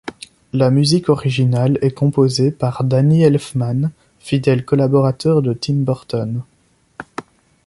La musique originale est composée par Danny Elfman, fidèle collaborateur de Tim Burton.